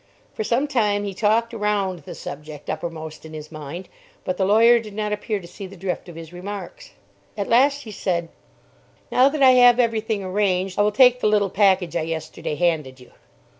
For some time he talked around the subject uppermost in his mind, but the lawyer did not appear to see the drift of his remarks. At last, he said "Now that I have every thing arranged, I will take the little package I yesterday handed you."